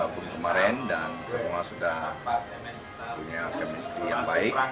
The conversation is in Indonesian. apapun kemarin dan semua sudah punya kemestri yang baik